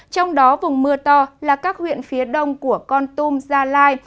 trong đó vùng mưa to là các huyện phía đông của con tum gia lai